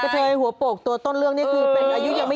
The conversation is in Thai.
เทยหัวโปกตัวต้นเรื่องนี้คือเป็นอายุยังไม่